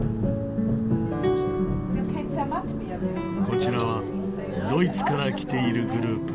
こちらはドイツから来ているグループ。